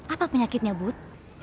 apa penyakitnya bud